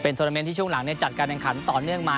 น้ำทุกเนื่องมา